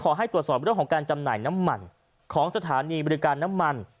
ขอให้ตรวจสอบเรื่องของการจำหน่ายน้ำมันของสถานีบริการน้ำมัน